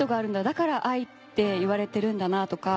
だから『愛』って言われてるんだな」とか。